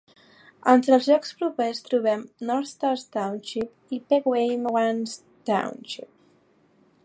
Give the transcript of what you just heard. Entre els llocs propers trobem North Star Township i Pequaywan Township.